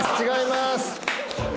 違います